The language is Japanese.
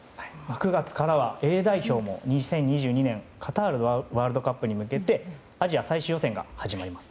９月からはＡ代表も２０２２年のカタールのワールドカップに向けてアジア最終予選が始まります。